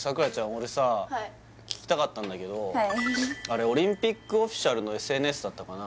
俺さ聞きたかったんだけどあれオリンピックオフィシャルのＳＮＳだったかな